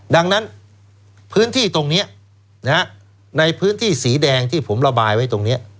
ดังนั้นพื้นที่ตรงนี้ในพื้นที่สีแดงที่ผมระบายไว้ตรงนี้